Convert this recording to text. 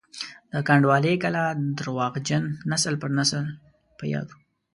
د کنډوالې کلا درواغجن نسل پر نسل په یادو وو.